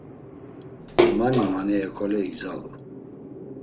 Mani mani hekole igzalu.